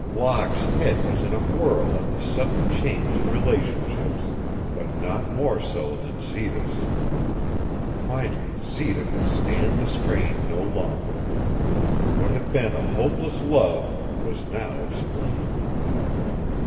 Locke's head was in a whirl at the sudden change in relationships, but not more so than Zita's. Finally Zita could stand the strain no longer. What had been a hopeless love was now explained.